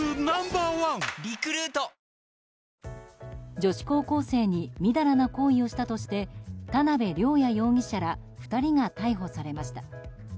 女子高校生にみだらな行為をしたとして田辺稜弥容疑者ら２人が逮捕されました。